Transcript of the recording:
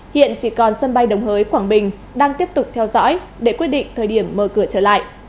hiện chỉ còn sân bay đồng hới quảng bình đang tiếp tục theo dõi để quyết định thời điểm mở cửa trở lại